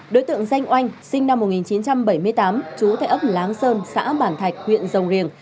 đối tượng danh oanh sinh năm một nghìn chín trăm bảy mươi tám trú tại ấp láng sơn xã bản thạch huyện rồng riềng